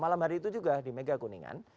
malam hari itu juga di mega kuningan